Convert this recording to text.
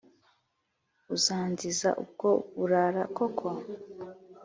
Uzanziza ubwo burara koko